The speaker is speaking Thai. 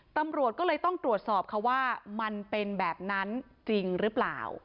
ตำรวจก็เลยต้องตรวจสอบเขาว่ามันเป็นแบบนั้นจริงหรือเปล่า